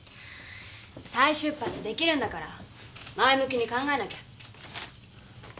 再出発できるんだから前向きに考えなきゃ。